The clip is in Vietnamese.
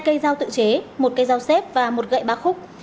hai cây dao tự chế một cây dao xếp và một gậy bác khúc